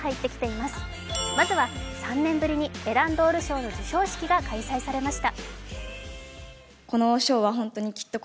まずは３年ぶりにエランドール賞の授賞式が開催されました。